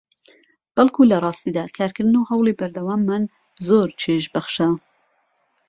بەڵکو لەڕاستیدا کارکردن و هەوڵی بەردەواممان زۆر چێژبەخشە